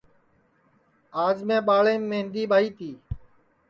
آج میں ٻاݪیم مہندی ٻائی تی